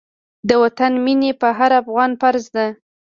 د وطن مينه په هر افغان فرض ده.